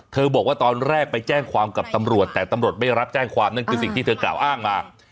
บอกว่าตอนแรกไปแจ้งความกับตำรวจแต่ตำรวจไม่รับแจ้งความนั่นคือสิ่งที่เธอกล่าวอ้างมา